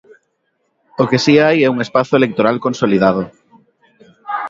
O que si hai é un espazo electoral consolidado.